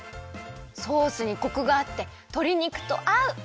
ソースにコクがあってとり肉とあう！